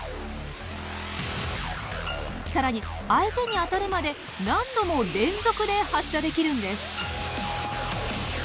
更に相手に当たるまで何度も連続で発射できるんです。